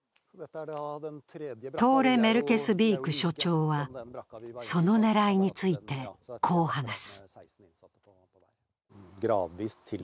トーレ・メルケスビーク所長はそのねらいについて、こう話す。